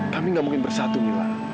kami gak mungkin bersatu mila